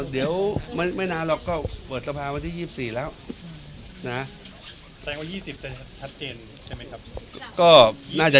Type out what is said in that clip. เดี๋ยวไม่นานหรอกก็เปิดสภาวะที่ยี่สิบสี่แล้วนะฮะ